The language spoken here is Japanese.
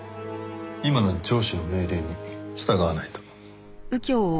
今の上司の命令に従わないと。